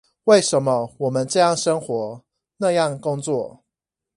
為什麼我們這樣生活，那樣工作？